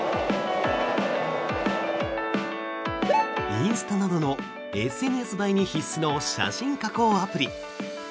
インスタなどのＳＮＳ映えに必須の写真加工アプリ